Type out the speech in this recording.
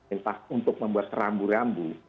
entah untuk membuat rambu rambu